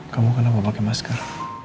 kamu kenapa pakai masker